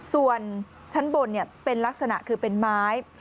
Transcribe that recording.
ส่วนชั้นบนเป็นลักษณะคือเป็นไม้